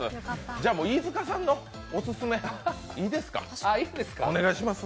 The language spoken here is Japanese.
じゃ、もう飯塚さんのオススメいいですか。